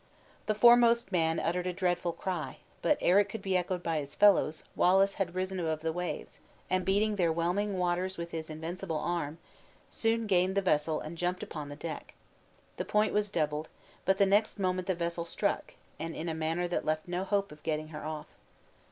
The foremost man uttered a dreadful cry; but ere it could be echoed by his fellows, Wallace had risen above the waves, and, beating their whelming waters with his invincible arm, soon gained the vessel and jumped upon the deck. The point was doubled, but the next moment the vessel struck, and in a manner that left no hope of getting her off.